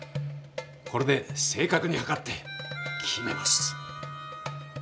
これで正確に測って決めます。